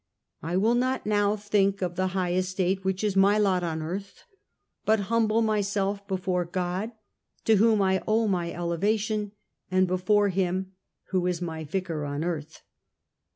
I will not now think of the high estate which is my lot on earth, but humble myself before God to whom I owe my elevation and before him who is his Vicar on earth."